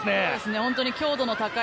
本当に強度の高い。